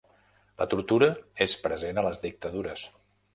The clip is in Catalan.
La tortura és present a les dictadures.